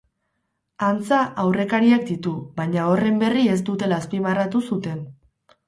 Antza aurrekariak ditu, baina horren berri ez dutela azpimarratu zuten.